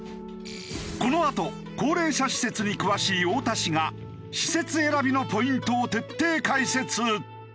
このあと高齢者施設に詳しい太田氏が施設選びのポイントを徹底解説。